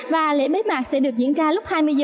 và lễ bế mạc sẽ được diễn ra lúc hai mươi h